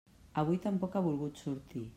Avui tampoc ha volgut sortir.